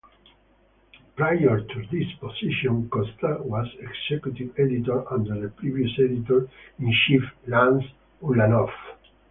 Prior to this position, Costa was executive editor under the previous editor-in-chief, Lance Ulanoff.